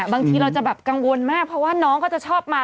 บางทีเราจะแบบกังวลมากเพราะว่าน้องเขาจะชอบมา